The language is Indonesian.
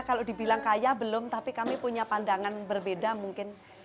kalau dibilang kaya belum tapi kami punya pandangan berbeda mungkin